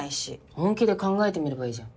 本気で考えてみればいいじゃん。